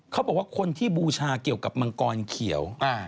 เขาบอกว่าคนที่บูชาเกี่ยวกับมังกรเขียว